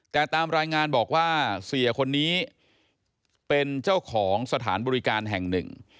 แต่ตามรายงานบอกว่าเสียคนนี้เป็นเจ้าของสถานบริการแห่งหนึ่ง